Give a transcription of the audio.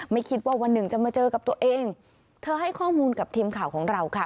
ไม่คิดว่าวันหนึ่งจะมาเจอกับตัวเองเธอให้ข้อมูลกับทีมข่าวของเราค่ะ